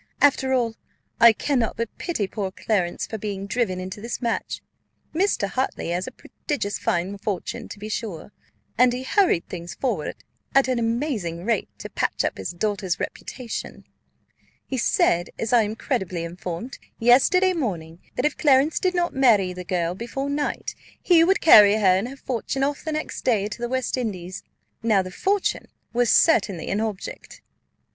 After all, I cannot but pity poor Clarence for being driven into this match. Mr. Hartley has a prodigious fine fortune, to be sure, and he hurried things forward at an amazing rate, to patch up his daughter's reputation. He said, as I am credibly informed, yesterday morning, that if Clarence did not marry the girl before night, he would carry her and her fortune off the next day to the West Indies. Now the fortune was certainly an object."